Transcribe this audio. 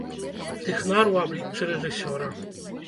Тэхнар у абліччы рэжысёра!